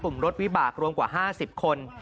รถวิบากรวมกว่า๕๐คน